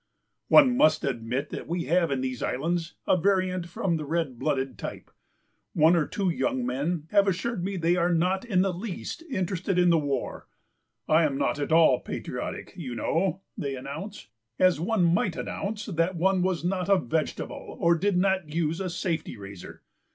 "One must admit that we have in these Islands a variant from the red blooded type. One or two young men have assured me that they are not in the least interested in the war—'I'm not at all patriotic, you know,' they announce, as one might announce that one was not a vegetable or did not use a safety razor.